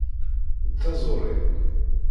D taẓuri.